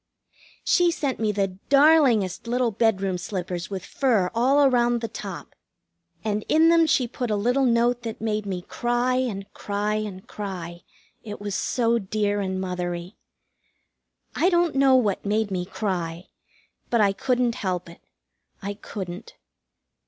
She sent me the darlingest little bedroom slippers with fur all around the top. And in them she put a little note that made me cry and cry and cry, it was so dear and mothery. I don't know what made me cry, but I couldn't help it. I couldn't.